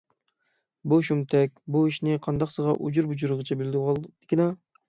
بۇ شۇمتەك بۇ ئىشنى قانداقسىغا ئۇجۇر - بۇجۇرىغىچە بىلىۋالدىكىنە؟